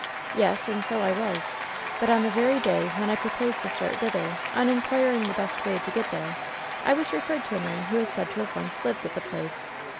'^ Yes, and so I was. But on the very day when I pro* posed to start thither, on inquiring the best way to get there, I was referred to a man who was said to have once lived at the place.